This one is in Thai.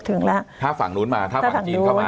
ถึงแล้วถ้าฝั่งนู้นมาถ้าฝั่งจีนก็มาถ้าฝั่งนู้น